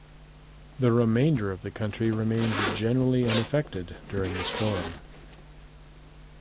The remainder of the country remained generally unaffected during the storm.